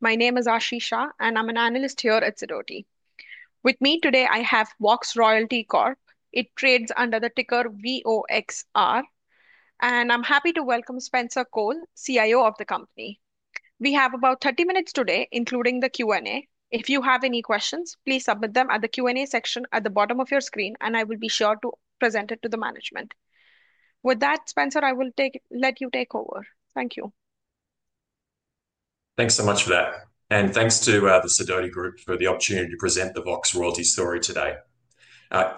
My name is Aashi Shah, and I'm an analyst here at Sidoti. With me today, I have Vox Royalty Corp. It trades under the ticker VOXR, and I'm happy to welcome Spencer Cole, CIO of the company. We have about 30 minutes today, including the Q&A. If you have any questions, please submit them at the Q&A section at the bottom of your screen, and I will be sure to present it to the management. With that, Spencer, I will let you take over. Thank you. Thanks so much for that. Thanks to the Sidoti Group for the opportunity to present the Vox Royalty story today.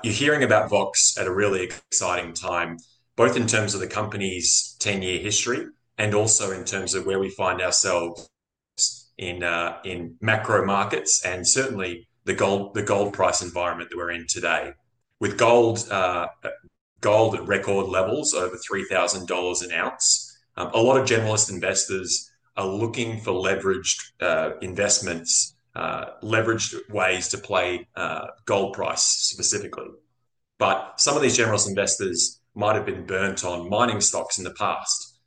You're hearing about Vox at a really exciting time, both in terms of the company's 10-year history and also in terms of where we find ourselves in macro markets and certainly the gold price environment that we're in today. With gold at record levels over $3,000 an ounce, a lot of generalist investors are looking for leveraged investments, leveraged ways to play gold price specifically. Some of these generalist investors might have been burnt on mining stocks in the past.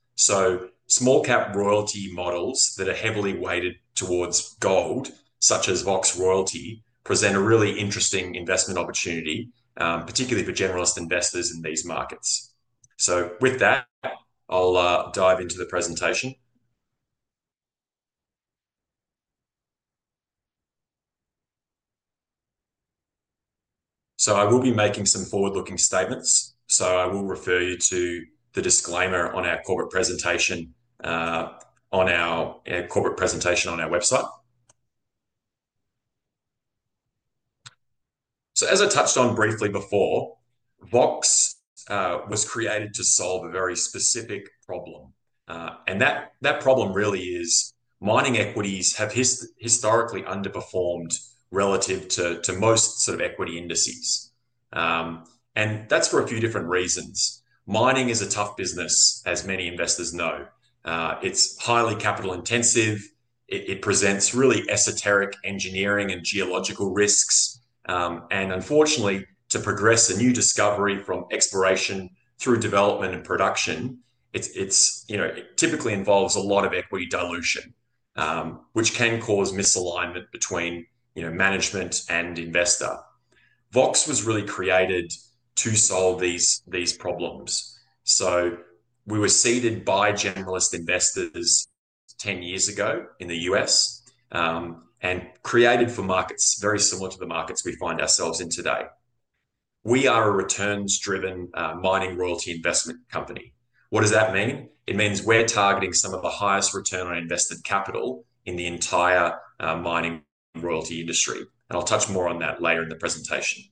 Small-cap royalty models that are heavily weighted towards gold, such as Vox Royalty, present a really interesting investment opportunity, particularly for generalist investors in these markets. With that, I'll dive into the presentation. I will be making some forward-looking statements. I will refer you to the disclaimer on our corporate presentation on our website. As I touched on briefly before, Vox was created to solve a very specific problem. That problem really is mining equities have historically underperformed relative to most sort of equity indices. That is for a few different reasons. Mining is a tough business, as many investors know. It is highly capital-intensive. It presents really esoteric engineering and geological risks. Unfortunately, to progress a new discovery from exploration through development and production, it typically involves a lot of equity dilution, which can cause misalignment between management and investor. Vox was really created to solve these problems. We were seeded by generalist investors 10 years ago in the U.S. and created for markets very similar to the markets we find ourselves in today. We are a returns-driven mining royalty investment company. What does that mean? It means we're targeting some of the highest return on invested capital in the entire mining royalty industry. I'll touch more on that later in the presentation.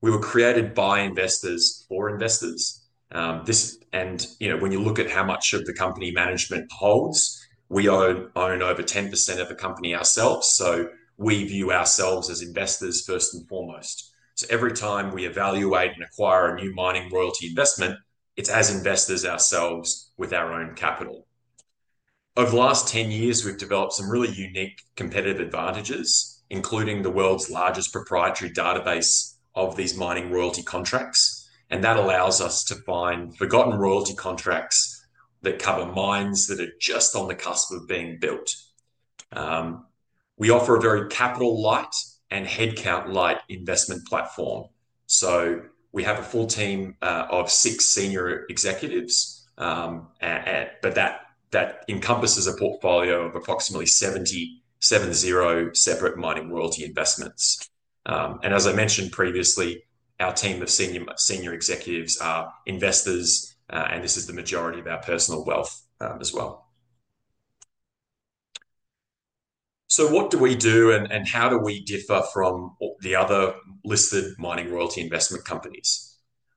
We were created by investors for investors. When you look at how much of the company management holds, we own over 10% of the company ourselves. We view ourselves as investors first and foremost. Every time we evaluate and acquire a new mining royalty investment, it's as investors ourselves with our own capital. Over the last 10 years, we've developed some really unique competitive advantages, including the world's largest proprietary database of these mining royalty contracts. That allows us to find forgotten royalty contracts that cover mines that are just on the cusp of being built. We offer a very capital-light and headcount-light investment platform. We have a full team of six senior executives, but that encompasses a portfolio of approximately 70 separate mining royalty investments. As I mentioned previously, our team of senior executives are investors, and this is the majority of our personal wealth as well. What do we do and how do we differ from the other listed mining royalty investment companies?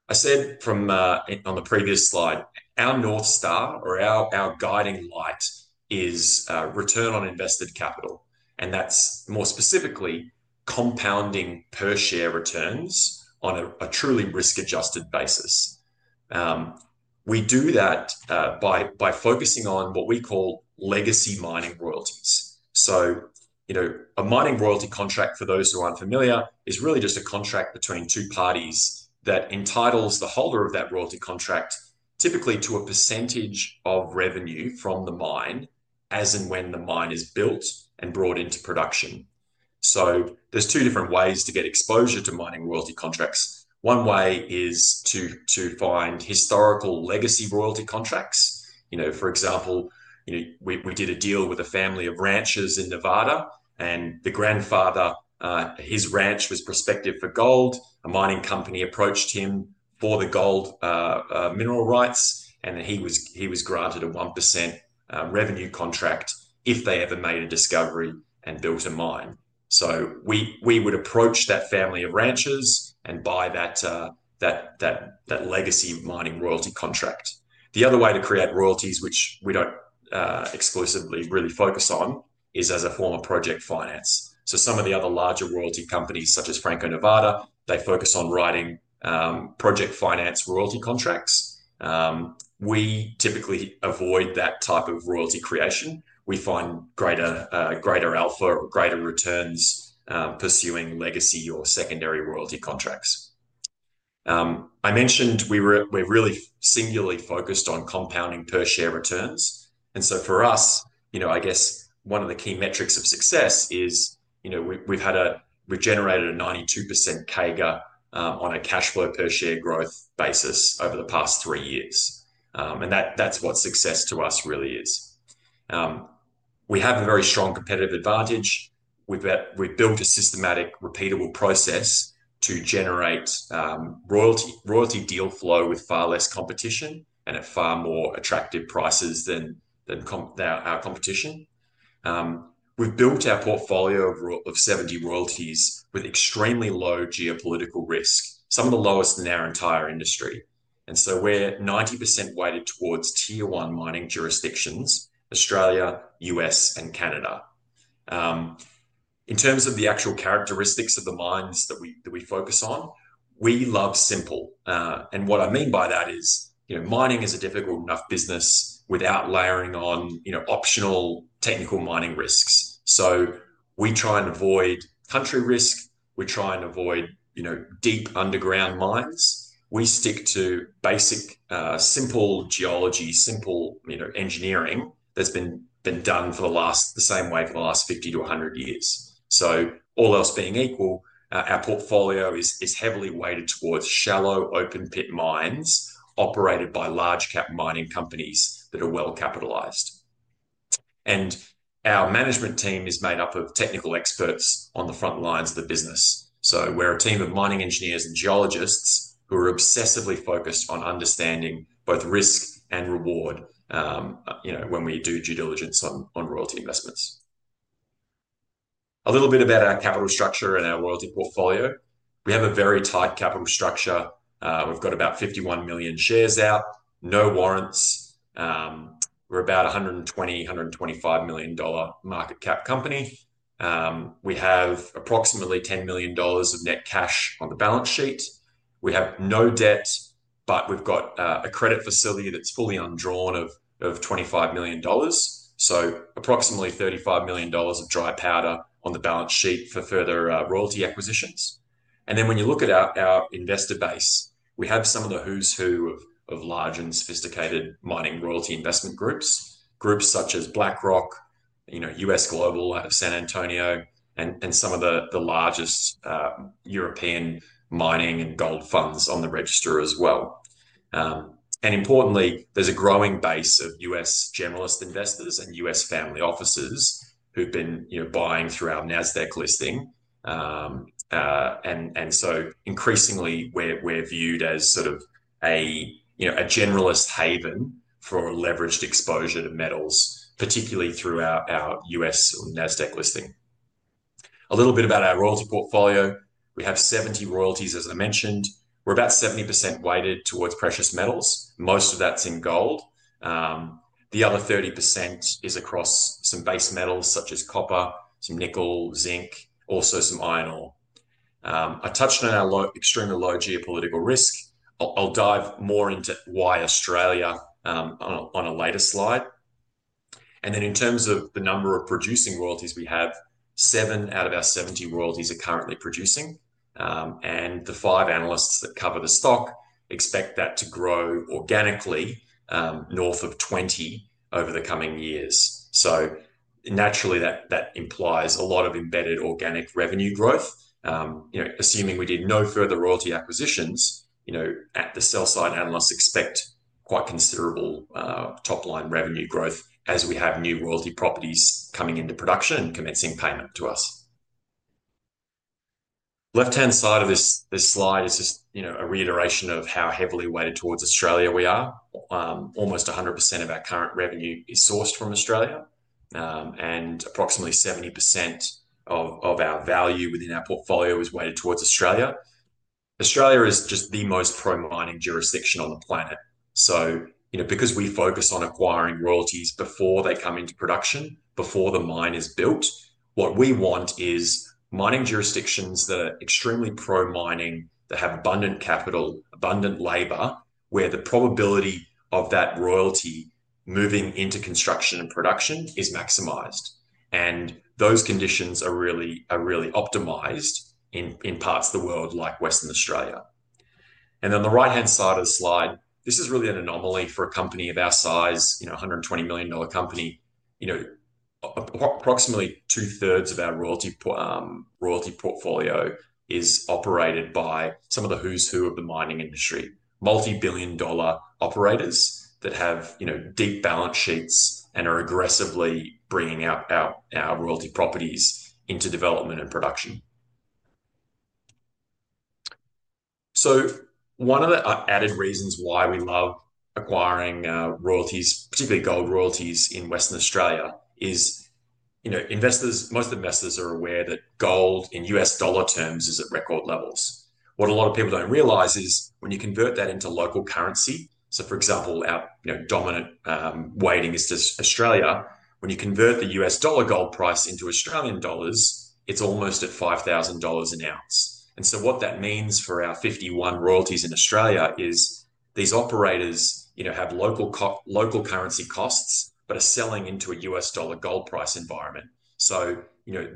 I said on the previous slide, our North Star or our guiding light is return on invested capital. That is more specifically compounding per-share returns on a truly risk-adjusted basis. We do that by focusing on what we call legacy mining royalties. A mining royalty contract, for those who are unfamiliar, is really just a contract between two parties that entitles the holder of that royalty contract typically to a percentage of revenue from the mine as and when the mine is built and brought into production. There are two different ways to get exposure to mining royalty contracts. One way is to find historical legacy royalty contracts. For example, we did a deal with a family of ranchers in Nevada, and the grandfather, his ranch was prospective for gold. A mining company approached him for the gold mineral rights, and he was granted a 1% revenue contract if they ever made a discovery and built a mine. We would approach that family of ranchers and buy that legacy mining royalty contract. The other way to create royalties, which we do not exclusively really focus on, is as a form of project finance. Some of the other larger royalty companies, such as Franco-Nevada, focus on writing project finance royalty contracts. We typically avoid that type of royalty creation. We find greater alpha or greater returns pursuing legacy or secondary royalty contracts. I mentioned we are really singularly focused on compounding per-share returns. For us, I guess one of the key metrics of success is we have generated a 92% CAGR on a cash flow per-share growth basis over the past three years. That is what success to us really is. We have a very strong competitive advantage. We have built a systematic, repeatable process to generate royalty deal flow with far less competition and at far more attractive prices than our competition. We've built our portfolio of 70 royalties with extremely low geopolitical risk, some of the lowest in our entire industry. We're 90% weighted towards tier-one mining jurisdictions: Australia, U.S., and Canada. In terms of the actual characteristics of the mines that we focus on, we love simple. What I mean by that is mining is a difficult enough business without layering on optional technical mining risks. We try and avoid country risk. We try and avoid deep underground mines. We stick to basic, simple geology, simple engineering that's been done the same way for the last 50 to 100 years. All else being equal, our portfolio is heavily weighted towards shallow open-pit mines operated by large-cap mining companies that are well capitalized. Our management team is made up of technical experts on the front lines of the business. We're a team of mining engineers and geologists who are obsessively focused on understanding both risk and reward when we do due diligence on royalty investments. A little bit about our capital structure and our royalty portfolio. We have a very tight capital structure. We've got about 51 million shares out, no warrants. We're about a $120 million-$125 million market cap company. We have approximately $10 million of net cash on the balance sheet. We have no debt, but we've got a credit facility that's fully undrawn of $25 million. So approximately $35 million of dry powder on the balance sheet for further royalty acquisitions. When you look at our investor base, we have some of the who's who of large and sophisticated mining royalty investment groups, groups such as BlackRock, U.S. Global out of San Antonio, and some of the largest European mining and gold funds on the register as well. Importantly, there's a growing base of U.S. generalist investors and U.S. family offices who've been buying through our Nasdaq listing. Increasingly, we're viewed as sort of a generalist haven for leveraged exposure to metals, particularly through our U.S. Nasdaq listing. A little bit about our royalty portfolio. We have 70 royalties, as I mentioned. We're about 70% weighted towards precious metals. Most of that's in gold. The other 30% is across some base metals such as copper, some nickel, zinc, also some iron ore. I touched on our extremely low geopolitical risk. I'll dive more into why Australia on a later slide. In terms of the number of producing royalties, we have seven out of our 70 royalties currently producing. The five analysts that cover the stock expect that to grow organically north of 20 over the coming years. That implies a lot of embedded organic revenue growth. Assuming we did no further royalty acquisitions, the sell side analysts expect quite considerable top-line revenue growth as we have new royalty properties coming into production and commencing payment to us. The left-hand side of this slide is just a reiteration of how heavily weighted towards Australia we are. Almost 100% of our current revenue is sourced from Australia. Approximately 70% of our value within our portfolio is weighted towards Australia. Australia is just the most pro-mining jurisdiction on the planet. Because we focus on acquiring royalties before they come into production, before the mine is built, what we want is mining jurisdictions that are extremely pro-mining, that have abundant capital, abundant labor, where the probability of that royalty moving into construction and production is maximized. Those conditions are really optimized in parts of the world like Western Australia. On the right-hand side of the slide, this is really an anomaly for a company of our size, a $120 million company. Approximately two-thirds of our royalty portfolio is operated by some of the who's who of the mining industry, multi-billion dollar operators that have deep balance sheets and are aggressively bringing out our royalty properties into development and production. One of the added reasons why we love acquiring royalties, particularly gold royalties in Western Australia, is most investors are aware that gold in U.S. dollar terms is at record levels. What a lot of people do not realize is when you convert that into local currency, so for example, our dominant weighting is to Australia, when you convert the U.S. dollar gold price into Australian dollars, it is almost at 5,000 dollars an ounce. What that means for our 51 royalties in Australia is these operators have local currency costs but are selling into a U.S. dollar gold price environment.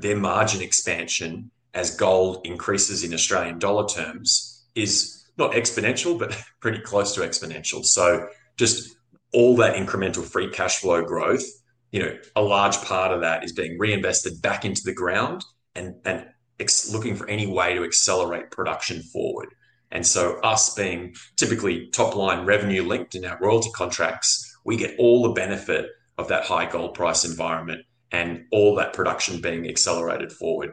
Their margin expansion as gold increases in Australian dollar terms is not exponential, but pretty close to exponential. All that incremental free cash flow growth, a large part of that is being reinvested back into the ground and looking for any way to accelerate production forward. Us being typically top-line revenue linked in our royalty contracts, we get all the benefit of that high gold price environment and all that production being accelerated forward.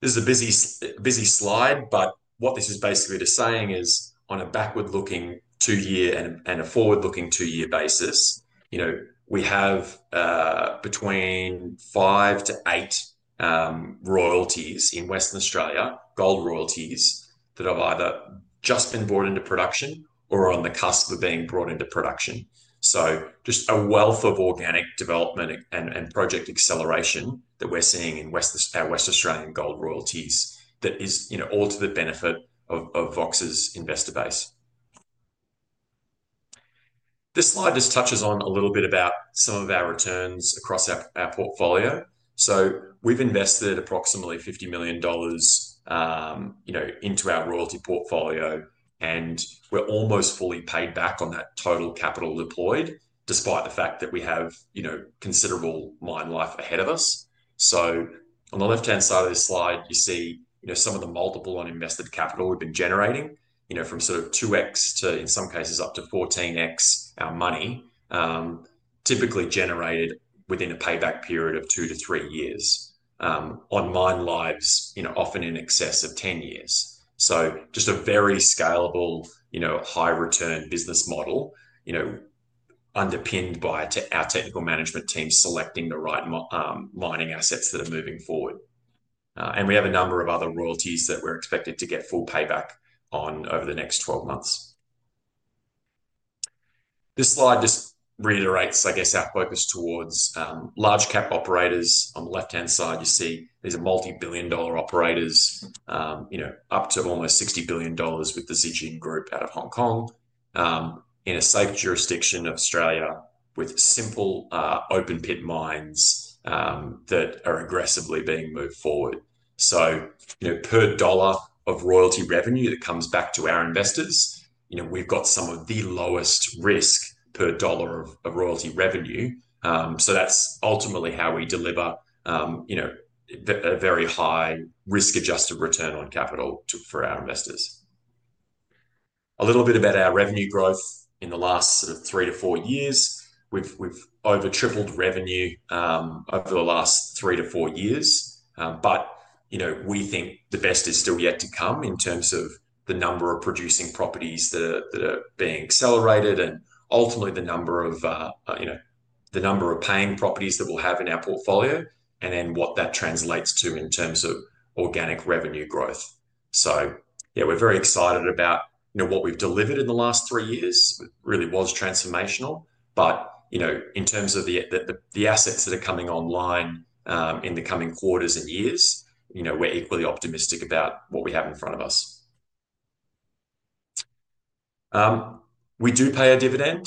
This is a busy slide, but what this is basically saying is on a backward-looking two-year and a forward-looking two-year basis, we have between five to eight royalties in Western Australia, gold royalties that have either just been brought into production or are on the cusp of being brought into production. Just a wealth of organic development and project acceleration that we're seeing in our West Australian gold royalties that is all to the benefit of Vox's investor base. This slide just touches on a little bit about some of our returns across our portfolio. We've invested approximately $50 million into our royalty portfolio, and we're almost fully paid back on that total capital deployed, despite the fact that we have considerable mine life ahead of us. On the left-hand side of this slide, you see some of the multiple uninvested capital we've been generating from sort of 2x to, in some cases, up to 14x our money, typically generated within a payback period of two to three years on mine lives, often in excess of 10 years. Just a very scalable, high-return business model underpinned by our technical management team selecting the right mining assets that are moving forward. We have a number of other royalties that we're expected to get full payback on over the next 12 months. This slide just reiterates, I guess, our focus towards large-cap operators. On the left-hand side, you see these are multi-billion dollar operators up to almost $60 billion with the Zijin Group out of Hong Kong in a safe jurisdiction of Australia with simple open-pit mines that are aggressively being moved forward. Per dollar of royalty revenue that comes back to our investors, we've got some of the lowest risk per dollar of royalty revenue. That's ultimately how we deliver a very high risk-adjusted return on capital for our investors. A little bit about our revenue growth in the last sort of three to four years. We've over-tripled revenue over the last three to four years. We think the best is still yet to come in terms of the number of producing properties that are being accelerated and ultimately the number of paying properties that we'll have in our portfolio and then what that translates to in terms of organic revenue growth. Yeah, we're very excited about what we've delivered in the last three years. It really was transformational. In terms of the assets that are coming online in the coming quarters and years, we're equally optimistic about what we have in front of us. We do pay a dividend.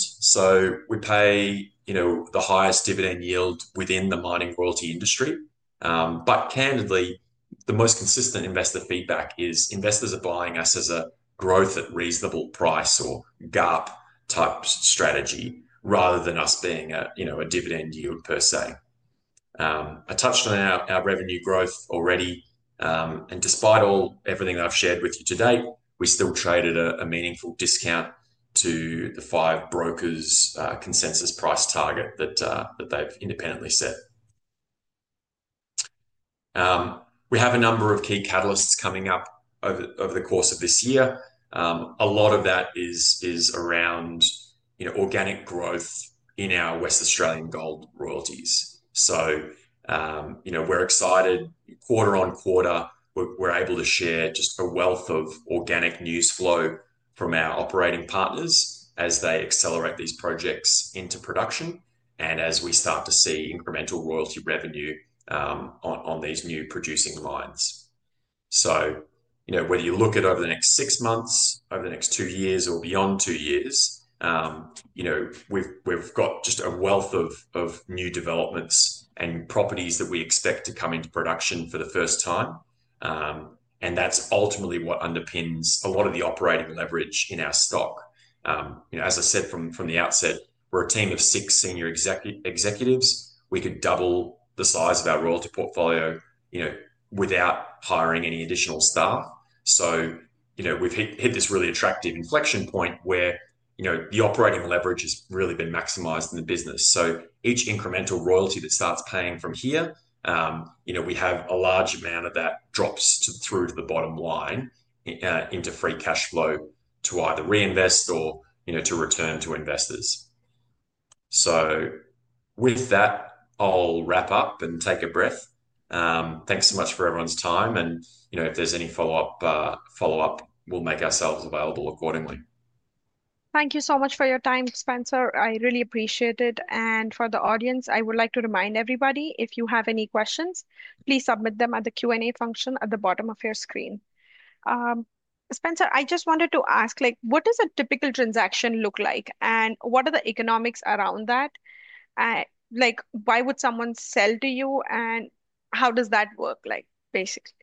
We pay the highest dividend yield within the mining royalty industry. Candidly, the most consistent investor feedback is investors are buying us as a growth at reasonable price or GARP type strategy rather than us being a dividend yield per se. I touched on our revenue growth already. Despite everything that I've shared with you to date, we still trade at a meaningful discount to the five brokers' consensus price target that they've independently set. We have a number of key catalysts coming up over the course of this year. A lot of that is around organic growth in our West Australian gold royalties. We are excited quarter on quarter, we are able to share just a wealth of organic news flow from our operating partners as they accelerate these projects into production and as we start to see incremental royalty revenue on these new producing lines. Whether you look at over the next six months, over the next two years, or beyond two years, we have just a wealth of new developments and properties that we expect to come into production for the first time. That is ultimately what underpins a lot of the operating leverage in our stock. As I said from the outset, we are a team of six senior executives. We could double the size of our royalty portfolio without hiring any additional staff. We have hit this really attractive inflection point where the operating leverage has really been maximized in the business. Each incremental royalty that starts paying from here, we have a large amount of that drops through to the bottom line into free cash flow to either reinvest or to return to investors. With that, I will wrap up and take a breath. Thanks so much for everyone's time. If there is any follow-up, we will make ourselves available accordingly. Thank you so much for your time, Spencer. I really appreciate it. For the audience, I would like to remind everybody, if you have any questions, please submit them at the Q&A function at the bottom of your screen. Spencer, I just wanted to ask, what does a typical transaction look like? What are the economics around that? Why would someone sell to you? How does that work, basically?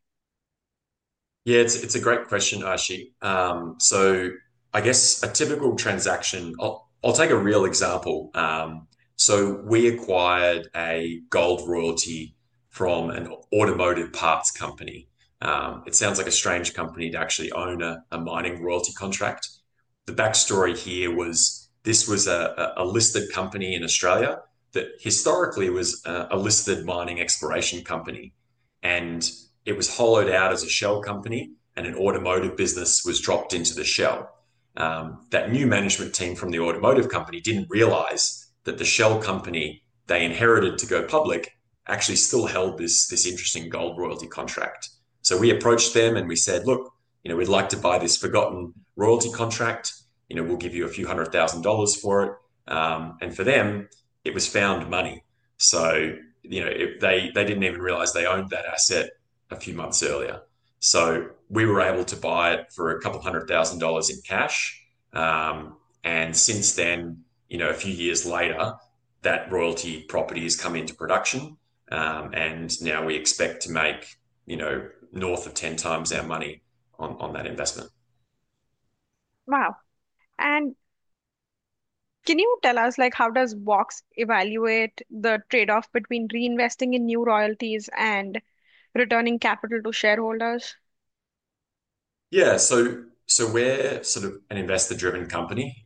Yeah, it's a great question, Aashi. I guess a typical transaction, I'll take a real example. We acquired a gold royalty from an automotive parts company. It sounds like a strange company to actually own a mining royalty contract. The backstory here was this was a listed company in Australia that historically was a listed mining exploration company. It was hollowed out as a shell company, and an automotive business was dropped into the shell. That new management team from the automotive company did not realize that the shell company they inherited to go public actually still held this interesting gold royalty contract. We approached them and we said, "Look, we'd like to buy this forgotten royalty contract. We'll give you a few hundred thousand dollars for it." For them, it was found money. They did not even realize they owned that asset a few months earlier. We were able to buy it for a couple hundred thousand dollars in cash. Since then, a few years later, that royalty property has come into production. Now we expect to make north of 10x our money on that investment. Wow. Can you tell us how does Vox evaluate the trade-off between reinvesting in new royalties and returning capital to shareholders? Yeah. We are sort of an investor-driven company.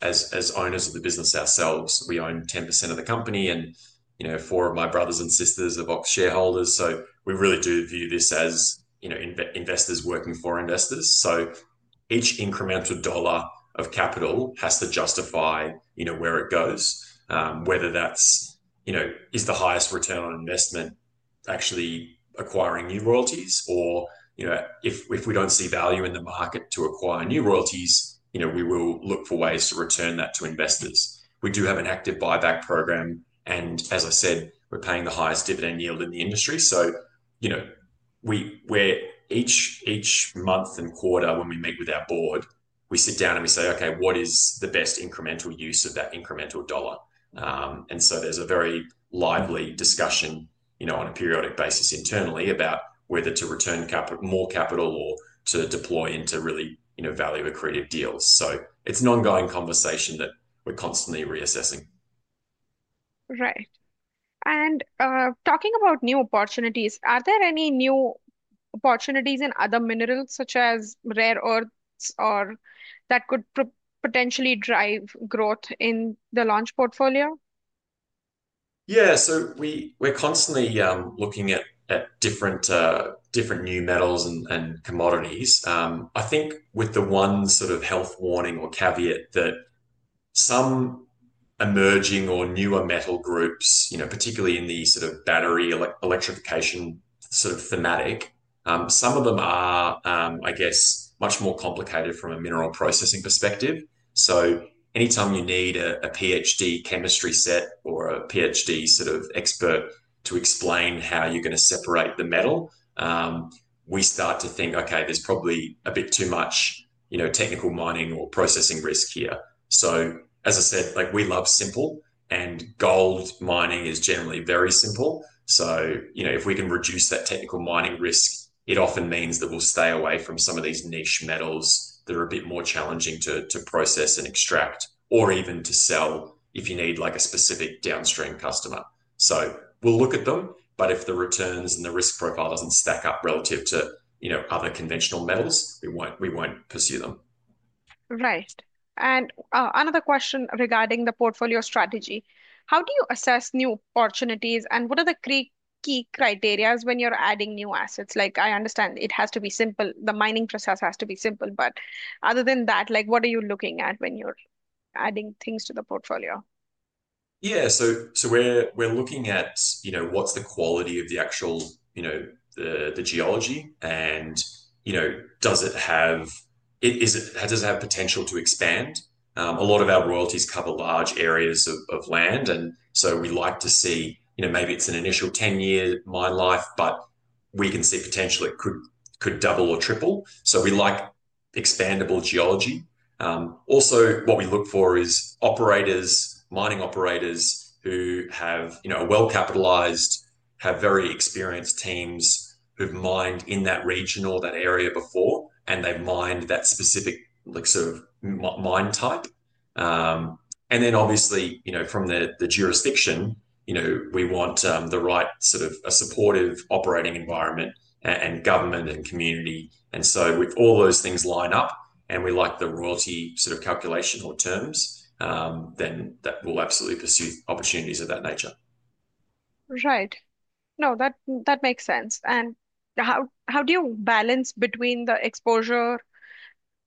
As owners of the business ourselves, we own 10% of the company, and four of my brothers and sisters are Vox shareholders. We really do view this as investors working for investors. Each incremental dollar of capital has to justify where it goes, whether that is the highest return on investment, actually acquiring new royalties, or if we do not see value in the market to acquire new royalties, we will look for ways to return that to investors. We do have an active buyback program. As I said, we are paying the highest dividend yield in the industry. Each month and quarter, when we meet with our board, we sit down and we say, "Okay, what is the best incremental use of that incremental dollar?" There is a very lively discussion on a periodic basis internally about whether to return more capital or to deploy into really value-accretive deals. It is an ongoing conversation that we are constantly reassessing. Right. Talking about new opportunities, are there any new opportunities in other minerals, such as rare earths, that could potentially drive growth in the launch portfolio? Yeah. We are constantly looking at different new metals and commodities. I think with the one sort of health warning or caveat that some emerging or newer metal groups, particularly in the sort of battery electrification sort of thematic, some of them are, I guess, much more complicated from a mineral processing perspective. Anytime you need a PhD chemistry set or a PhD sort of expert to explain how you're going to separate the metal, we start to think, "Okay, there's probably a bit too much technical mining or processing risk here." As I said, we love simple, and gold mining is generally very simple. If we can reduce that technical mining risk, it often means that we'll stay away from some of these niche metals that are a bit more challenging to process and extract or even to sell if you need a specific downstream customer. We'll look at them, but if the returns and the risk profile doesn't stack up relative to other conventional metals, we won't pursue them. Right. Another question regarding the portfolio strategy. How do you assess new opportunities, and what are the key criteria when you're adding new assets? I understand it has to be simple. The mining process has to be simple. Other than that, what are you looking at when you're adding things to the portfolio? Yeah. We're looking at what's the quality of the actual geology, and does it have potential to expand? A lot of our royalties cover large areas of land. We like to see maybe it's an initial 10-year mine life, but we can see potential it could double or triple. We like expandable geology. Also, what we look for is mining operators who are well-capitalized, have very experienced teams who've mined in that region or that area before, and they've mined that specific sort of mine type. Obviously, from the jurisdiction, we want the right sort of supportive operating environment and government and community. With all those things lined up, and we like the royalty sort of calculation or terms, that will absolutely pursue opportunities of that nature. Right. No, that makes sense. How do you balance between the exposure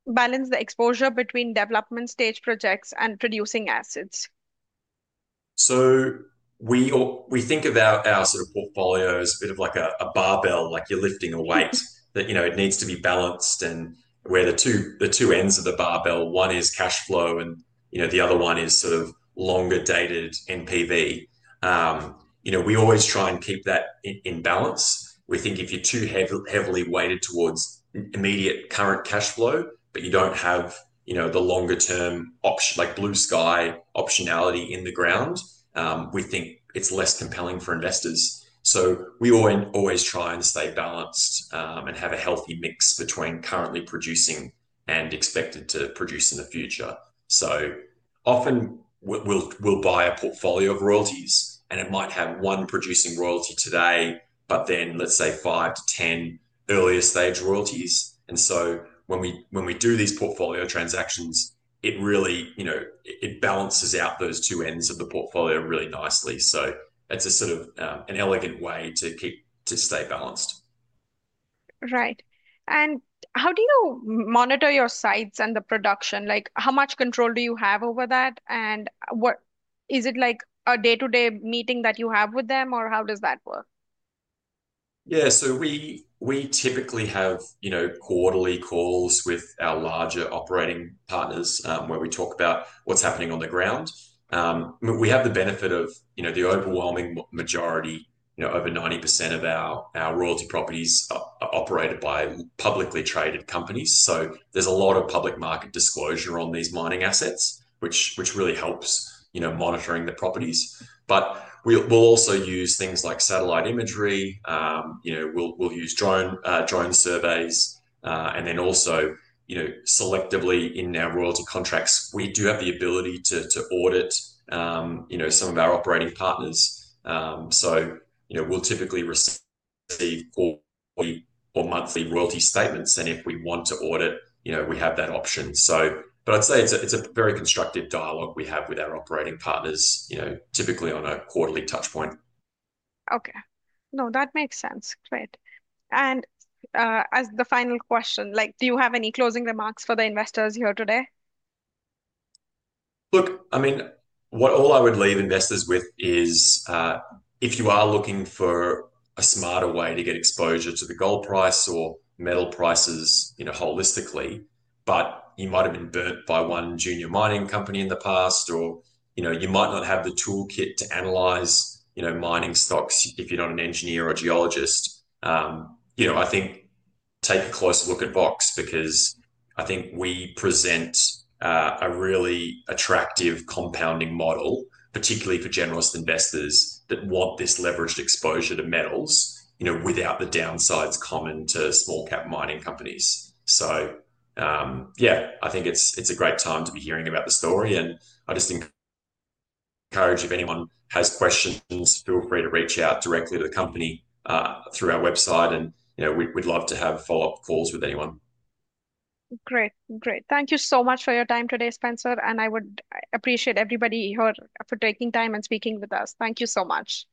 between development stage projects and producing assets? We think about our sort of portfolio as a bit of like a barbell, like you're lifting a weight. It needs to be balanced, and we're the two ends of the barbell. One is cash flow, and the other one is sort of longer-dated NPV. We always try and keep that in balance. We think if you're too heavily weighted towards immediate current cash flow, but you don't have the longer-term blue sky optionality in the ground, we think it's less compelling for investors. We always try and stay balanced and have a healthy mix between currently producing and expected to produce in the future. Often, we'll buy a portfolio of royalties, and it might have one producing royalty today, but then, let's say, 5-10 earlier stage royalties. When we do these portfolio transactions, it balances out those two ends of the portfolio really nicely. It's a sort of an elegant way to stay balanced. Right. How do you monitor your sites and the production? How much control do you have over that? Is it like a day-to-day meeting that you have with them, or how does that work? Yeah. We typically have quarterly calls with our larger operating partners where we talk about what's happening on the ground. We have the benefit of the overwhelming majority, over 90% of our royalty properties are operated by publicly traded companies. There is a lot of public market disclosure on these mining assets, which really helps monitoring the properties. We will also use things like satellite imagery. We will use drone surveys. Also, selectively, in our royalty contracts, we do have the ability to audit some of our operating partners. We will typically receive quarterly or monthly royalty statements. If we want to audit, we have that option. I would say it is a very constructive dialogue we have with our operating partners, typically on a quarterly touchpoint. Okay. No, that makes sense. Great. As the final question, do you have any closing remarks for the investors here today? Look, I mean, what all I would leave investors with is if you are looking for a smarter way to get exposure to the gold price or metal prices holistically, but you might have been burnt by one junior mining company in the past, or you might not have the toolkit to analyze mining stocks if you're not an engineer or geologist, I think take a closer look at Vox because I think we present a really attractive compounding model, particularly for generalist investors that want this leveraged exposure to metals without the downsides common to small-cap mining companies. Yeah, I think it's a great time to be hearing about the story. I just encourage, if anyone has questions, feel free to reach out directly to the company through our website. We'd love to have follow-up calls with anyone. Great. Great. Thank you so much for your time today, Spencer. I would appreciate everybody here for taking time and speaking with us. Thank you so much.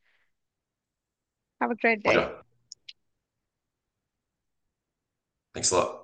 Have a great day. Yeah. Thanks a lot.